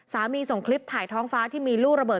ส่งคลิปถ่ายท้องฟ้าที่มีลูกระเบิ